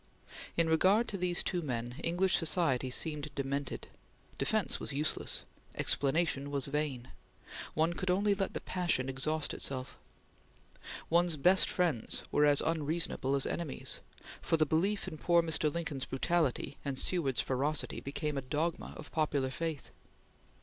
In regard to these two men, English society seemed demented. Defence was useless; explanation was vain; one could only let the passion exhaust itself. One's best friends were as unreasonable as enemies, for the belief in poor Mr. Lincoln's brutality and Seward's ferocity became a dogma of popular faith.